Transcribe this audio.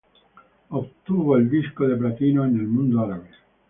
Obtuvo el disco de platino en el Mundo Árabe.